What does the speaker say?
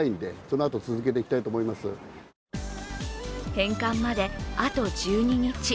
返還まで、あと１２日。